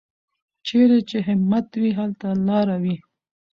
چېرې چې همت وي، هلته لاره وي.